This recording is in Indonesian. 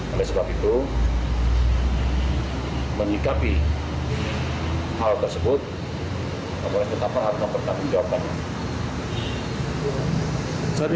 oleh sebab itu menikapi hal tersebut kapolres ketapang harus mempertahankan jawabannya